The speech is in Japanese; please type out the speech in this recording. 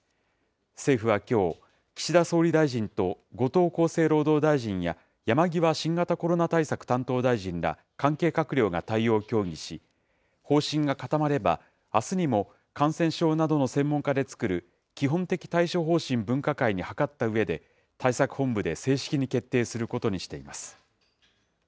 政府はきょう、岸田総理大臣と後藤厚生労働大臣や山際新型コロナ対策担当大臣ら関係閣僚が対応を協議し、方針が固まれば、あすにも感染症などの専門家で作る基本的対処方針分科会に諮ったうえで、対策本部で正式に決定することにしています。